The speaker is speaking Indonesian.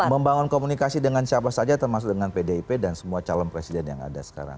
membangun komunikasi dengan siapa saja termasuk dengan pdip dan semua calon presiden yang ada sekarang